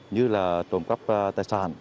như là trộm cắp tài sản